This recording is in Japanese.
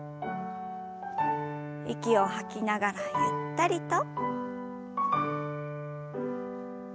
息を吐きながらゆったりと。